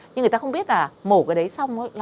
nhưng người ta không biết là mổ cái đấy xong thôi